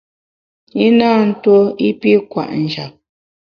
I na ntuo i pi kwet njap.